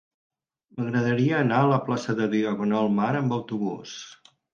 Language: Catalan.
M'agradaria anar a la plaça de Diagonal Mar amb autobús.